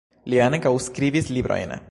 Li ankaŭ skribis librojn.